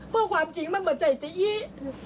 เพราะความจริงมันหมดใจที่นี้